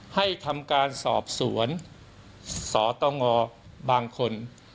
ให้ทำการสอบสวนสตงบางคน